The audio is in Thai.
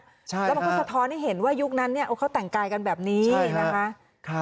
แล้วมันก็สะท้อนให้เห็นว่ายุคนั้นเนี่ยเขาแต่งกายกันแบบนี้นะคะ